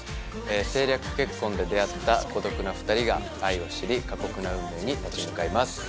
政略結婚で出会った孤独な２人が愛を知り過酷な運命に立ち向かいます。